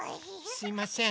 すいません。